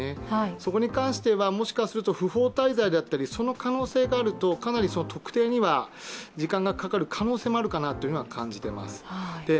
そこに関しては、もしかすると不法滞在だったりその可能性があるとかなり特定には時間がかかる可能性もあるかなと感じはいます。